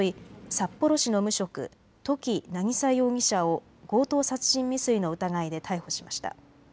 札幌市の無職、土岐渚容疑者を強盗殺人未遂の疑いで逮捕しました。